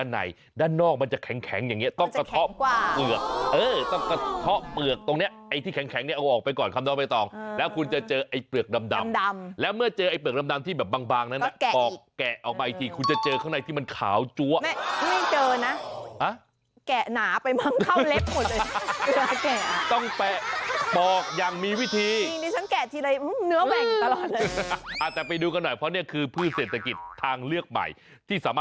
ไหลของมันเผื่อเขาไปทำอาหารได้อีกด้วยนะ